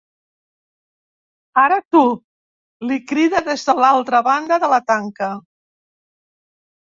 Ara tu —li crida des de l'altra banda de la tanca.